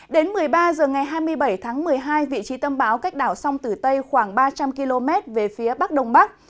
đến một mươi ba h ngày hai mươi bảy tháng một mươi hai vị trí tâm báo cách đảo sông tử tây khoảng ba trăm linh km về phía bắc đông bắc